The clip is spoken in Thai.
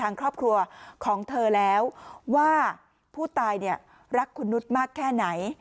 ทางครอบครัวของเธอแล้วว่าผู้ตายเนี่ยรักคุณนุษย์มากแค่ไหน